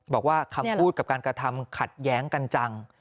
บอกว่าคำพูดกับการกระทำขัดแย้งกันจัง